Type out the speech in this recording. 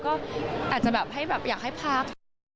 ก็อาจจะแบบอยากให้พัก